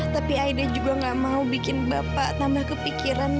tapi aida juga gak mau bikin bapak tambah kepikiran